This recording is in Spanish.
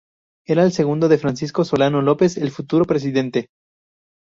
Era el segundo de Francisco Solano López, el futuro presidente.